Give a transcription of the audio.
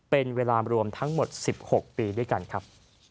เป็นเวลารวมทั้งหมด๑๖ปีด้วยกันครับ